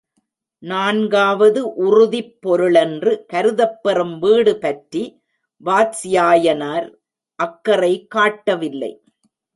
நான்காவது உறுதிப் பொருளென்று கருதப்பெறும் வீடு பற்றி வாத்ஸ்யாயனர் அக்கறை காட்டவில்லை.